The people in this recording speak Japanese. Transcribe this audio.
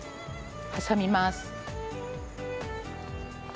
挟みます。